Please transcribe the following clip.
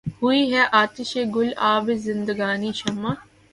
ہوئی ہے آتشِ گُل آبِ زندگانیِ شمع